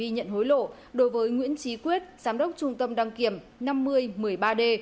nhận hối lộ đối với nguyễn trí quyết giám đốc trung tâm đăng kiểm năm mươi một mươi ba d